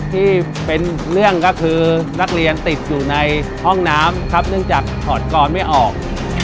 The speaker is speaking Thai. ที่เป็นเรื่องก็คือนักเรียนติดอยู่ในห้องน้ำครับเนื่องจากถอดกรไม่ออก